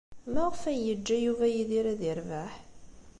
Maɣef ay yeǧǧa Yuba Yidir ad yerbeḥ?